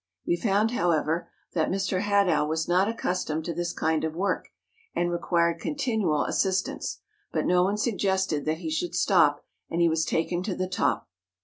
We found, however, that Mr. Hadow was not accustomed to this kind of work, and re¬ quired continual assistance; but no one suggested that he should stop, and he was taken to the top.